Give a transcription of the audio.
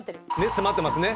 詰まってますね。